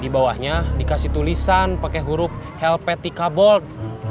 di bawahnya dikasih tulisan pake huruf helpeti kabold